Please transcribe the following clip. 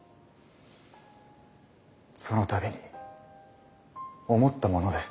そのたびに思ったものです。